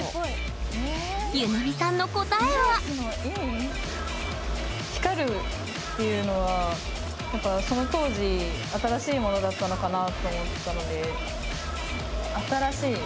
ゆねみさんの答えは光るっていうのはやっぱその当時新しいものだったのかなと思ったので新しい。